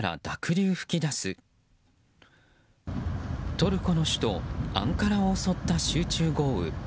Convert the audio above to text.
トルコの首都アンカラを襲った集中豪雨。